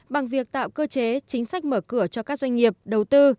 bằng việc tạo cơ chế chính sách mở cửa cho các doanh nghiệp đầu tư